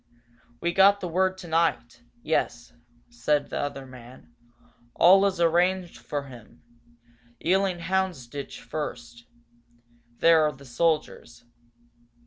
"We got the word tonight yes," said the other man. "All is arranged for him. Ealing Houndsditch, first. There are the soldiers.